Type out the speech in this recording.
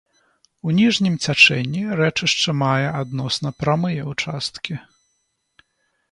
У ніжнім цячэнні рэчышча мае адносна прамыя ўчасткі.